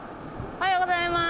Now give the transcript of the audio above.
おはようございます。